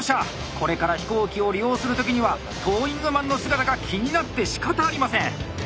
これから飛行機を利用する時にはトーイングマンの姿が気になってしかたありません！